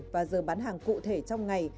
và giờ bán hàng cụ thể trong ngày